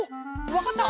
わかった？